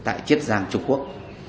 tại chiết giang trung quốc